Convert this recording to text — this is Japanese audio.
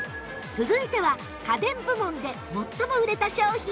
続いては家電部門で最も売れた商品